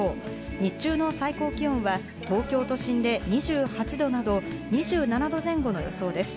日中の最高気温は東京都心で２８度など、２７度前後の予想です。